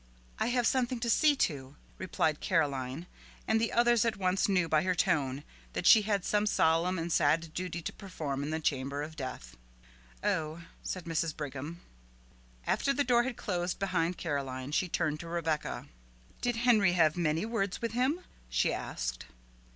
"I have something to see to," replied Caroline, and the others at once knew by her tone that she had some solemn and sad duty to perform in the chamber of death. "Oh," said Mrs. Brigham. After the door had closed behind Caroline, she turned to Rebecca. "Did Henry have many words with him?" she asked.